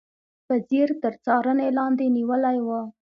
په ځیر تر څارنې لاندې نیولي و.